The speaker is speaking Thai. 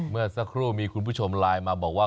เมื่อสักครู่มีคุณผู้ชมไลน์มาบอกว่า